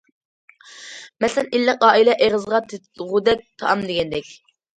مەسىلەن: ئىللىق ئائىلە، ئېغىزغا تېتىغۇدەك تائام دېگەندەك.